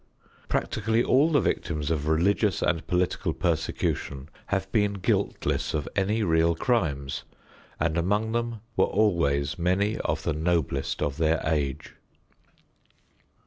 Practically all the victims of religious and political persecution have been guiltless of any real crimes, and among them were always many of the noblest of their age.